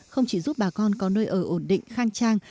không chỉ giúp bà con có nơi ở ổn định khang trang